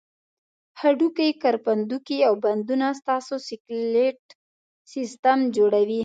هډوکي، کرپندوکي او بندونه ستاسې سکلېټ سیستم جوړوي.